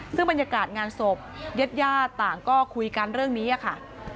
ซึ่งบรรยากาศงานศพญาติญาติต่างก็คุยกันเรื่องนี้ค่ะ